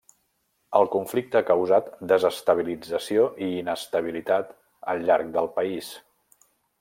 El conflicte ha causat desestabilització i inestabilitat al llarg del país.